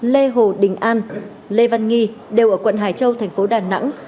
lê hồ đình an lê văn nghi đều ở quận hải châu thành phố đà nẵng